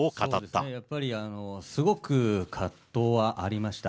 そうですねやっぱり、すごく葛藤はありました。